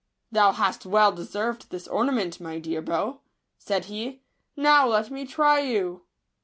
" Thou hast well deserved this ornament, my dear bow," said he ;" now let me try you."